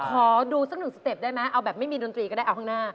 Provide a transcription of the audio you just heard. ขอดูสักหนึ่งสเต็ปได้ไหมเอาแบบไม่มีดนตรีก็ได้เอาข้างหน้า